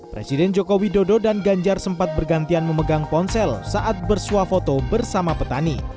presiden jokowi dodo dan ganjar sempat bergantian memegang ponsel saat bersuah foto bersama petani